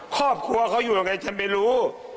ครอบครัวเขาอยู่ยังไงฉันไม่รู้